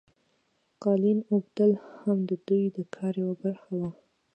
قالین اوبدل هم د دوی د کار یوه برخه وه.